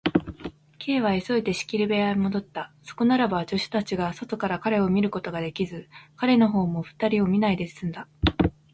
Ｋ は急いで仕切り部屋へもどった。そこならば、助手たちが外から彼を見ることができず、彼のほうも二人を見ないですんだ。